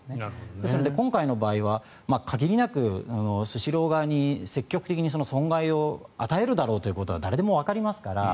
ですので、今回の場合は限りなくスシロー側に積極的に損害を与えるだろうということは誰でもわかりますから。